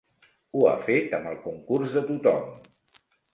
Ho ha fet amb el concurs de tothom.